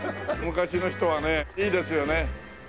昔の人はねいいですよね。